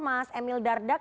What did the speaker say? mas emil dardak